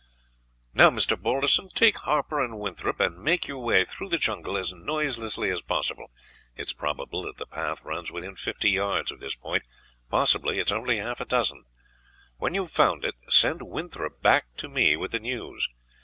"Now, Mr. Balderson, take Harper and Winthorpe, and make your way through the jungle as noiselessly as possible. It is probable that the path runs within fifty yards of this point, possibly it is only half a dozen. When you have found it, send Winthorpe back to me with the news.